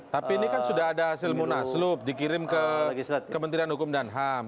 tapi ini kan sudah ada hasil munaslup dikirim ke kementerian hukum dan ham